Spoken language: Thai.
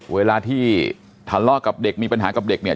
เวลาที่ทะเลาะกับเด็กมีปัญหากับเด็กเนี่ย